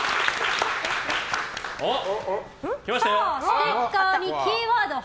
ステッカーにキーワード